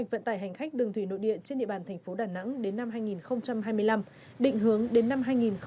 vận tải hành khách đường thủy nội địa trên địa bàn thành phố đà nẵng đến năm hai nghìn hai mươi năm định hướng đến năm hai nghìn ba mươi